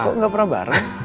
kok gak pernah bareng